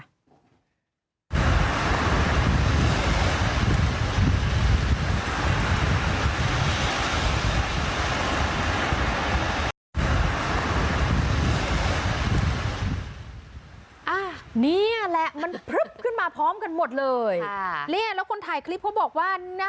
นี่แหละมันพลึบขึ้นมาพร้อมกันหมดเลยค่ะเนี่ยแล้วคนถ่ายคลิปเขาบอกว่านะ